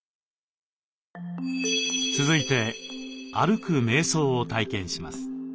続いて歩くめい想を体験します。